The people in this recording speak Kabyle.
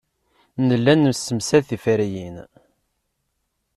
Nella nessemsad tiferyin.